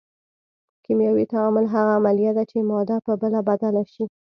کیمیاوي تعامل هغه عملیه ده چې ماده په بله بدله شي.